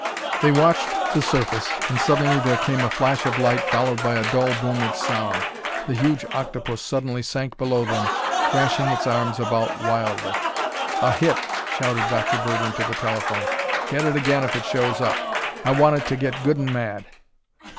They watched the surface and suddenly there came a flash of light followed by a dull boom of sound. The huge octopus suddenly sank below them, thrashing its arms about wildly. "A hit!" shouted Dr. Bird into the telephone. "Get it again if it shows up. I want it to get good and mad."